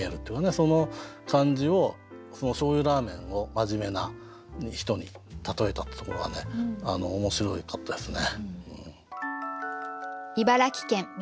その感じを醤油ラーメンを真面目な人に例えたってところがね面白かったですね。